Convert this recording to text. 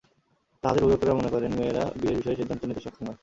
তাদের অভিভাবকেরা মনে করেন, মেয়েরা বিয়ের বিষয়ে সিদ্ধান্ত নিতে সক্ষম নয়।